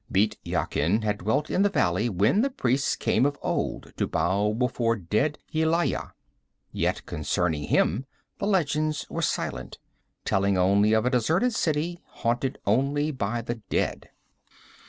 Bît Yakin had dwelt in the valley when the priests came of old to bow before dead Yelaya. Yet concerning him the legends were silent, telling only of a deserted city, haunted only by the dead.